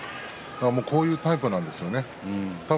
こういうタイプなんですね。